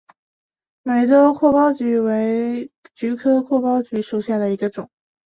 美洲阔苞菊为菊科阔苞菊属下的一个种。